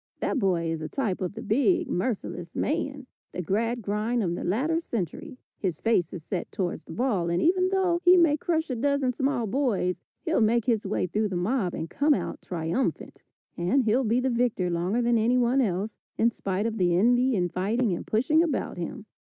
That boy is a type of the big, merciless man, the Gradgrind of the latter century. His face is set towards the ball, and even though he may crush a dozen small boys, he'll make his way through the mob and come out triumphant. And he'll be the victor longer than anyone else, in spite of the envy and fighting and pushing about him.